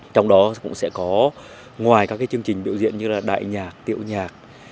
trong đó cũng sẽ có ngoài các chương trình biểu diễn như là đại nhạc tiệu nhạc